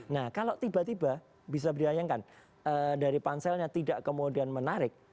nah kalau tiba tiba bisa dilayangkan dari panselnya tidak kemudian menarik